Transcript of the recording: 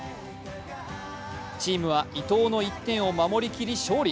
チームは伊東の１点を守りきり勝利。